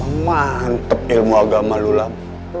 memantep ilmu agama lu lap